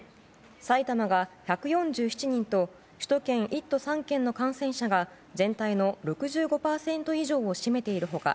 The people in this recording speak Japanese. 埼玉が１４７人と首都圏１都３県の感染者が全体の６５％以上を占めている他